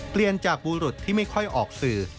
เปลี่ยนจากบุรุษที่ไม่ค่อยออกสื่อ